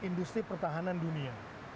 industri pertahanan dunia